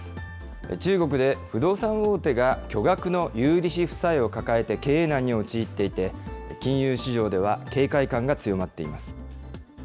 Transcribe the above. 中国で、不動産大手が巨額の有利子負債を抱えて経営難に陥っていて、金融市場では警戒感が強まっています。